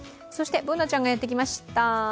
そしてＢｏｏｎａちゃんがやってきました。